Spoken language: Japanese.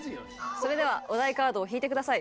それではお題カードを引いてください。